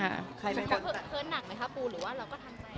ใครไม่รู้สึกว่าคุณเฮิร์ดหนักมั้ยคะปูหรือว่าเราก็ทำแบบนั้น